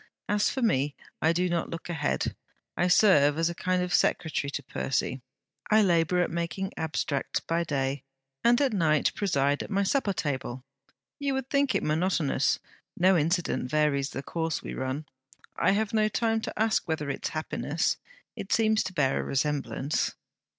As for me, I do not look ahead. I serve as a kind of secretary to Percy. I labour at making abstracts by day, and at night preside at my suppertable. You would think it monotonous; no incident varies the course we run. I have no time to ask whether it is happiness. It seems to bear a resemblance.'